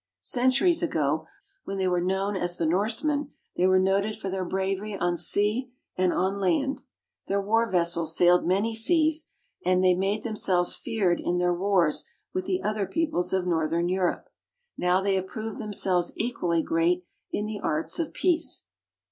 Centuries ago, TRAVELS IN NORWAY AND SWEDEN. 183 when they were known as the Norsemen, they were noted for their bravery on sea and on land; their war vessels sailed many seas, and they made themselves feared in their wars with the other peoples of northern Europe. Now they have proved themselves equally great in the arts of peace.